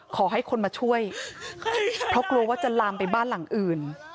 ขอให้คนมาช่วยเพราะกลัวว่าจะลามไปบ้านหลังอื่น